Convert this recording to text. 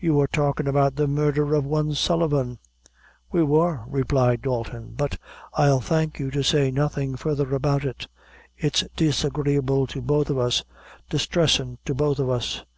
"You were talkin' about the murdher of one Sullivan." "We were," replied Dalton; "but I'll thank you to say nothing further about it; it's disagreeable to both of us distressin' to both of us."